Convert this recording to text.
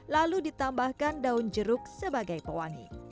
lalu ditambahkan daun jeruk sebagai pewangi